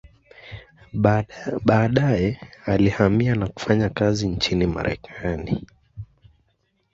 Baadaye alihamia na kufanya kazi nchini Marekani.